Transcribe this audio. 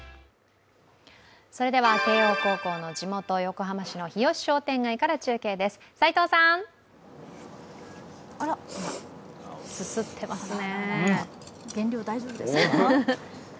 それでは、慶応高校の地元横浜市の日吉商店街から中継です、齋藤さん。すすってますね。